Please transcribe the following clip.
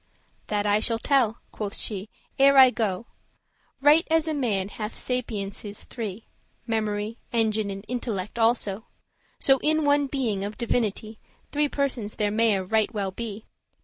"That shall I tell," quoth she, "ere that I go. Right as a man hath sapiences* three, *mental faculties Memory, engine,* and intellect also, *wit <11> So in one being of divinity Three persones there maye right well be."